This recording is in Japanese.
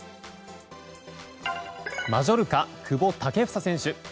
マジョルカ、久保建英選手。